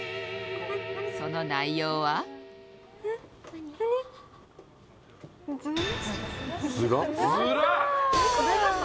その内容はヅラ？